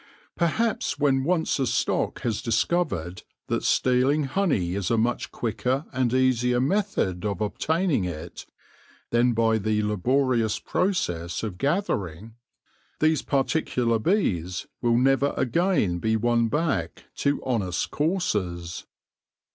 Perhaps when once a stock has discovered that stealing honey is a much quicker and easier method of obtaining it than by the laborious process of gather ing, these particular bees will never again be won back to honest courses.